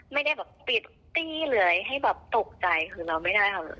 ไม่ได้แบบปิดตี้เลยให้ตกใจคือเราไม่ได้โฮล์หลืน